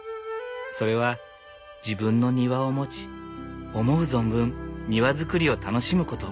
それは自分の庭を持ち思う存分庭造りを楽しむこと。